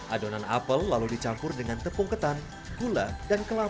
adonan apel lalu dicampur dengan tepung ketan gula dan kelapa